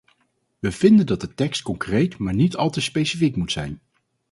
We vinden dat de tekst concreet maar niet al te specifiek moet zijn.